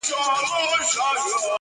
تیارو د بیلتانه ته به مي بېرته رڼا راسي؛